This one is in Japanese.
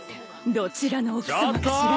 どちらの奥さまかしら。